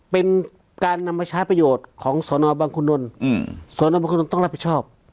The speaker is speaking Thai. เป็นการนำมาใช้ประโยชน์ของสนบังคุณนลสนบังคุณนลต้องรับผิดชอบ